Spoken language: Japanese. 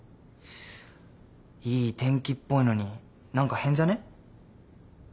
いい天気っぽいのに何か変じゃね？